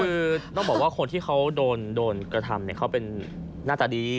คือต้องบอกว่าคนที่เขาโดนกระทำเขาเป็นหน้าตาดี